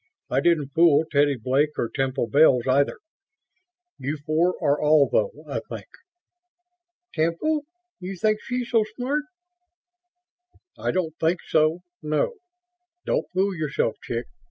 I didn't fool Teddy Blake or Temple Bells, either. You four are all, though, I think." "Temple? You think she's so smart?" "I don't think so, no. Don't fool yourself, chick.